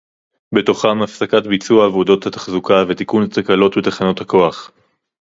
בתוכם הפסקת ביצוע עבודות התחזוקה ותיקון תקלות בתחנות הכוח